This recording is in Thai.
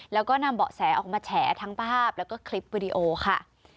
แล้วก็นำเบาะแสออกมาแฉทั้งภาพแล้วก็คลิปวิดีโอค่ะ